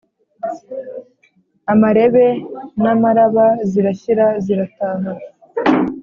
Amarebe n'Amaraba zirashyira zirataha: